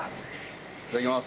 いただきます。